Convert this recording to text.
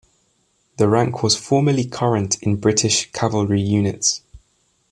The rank was formerly current in British cavalry units.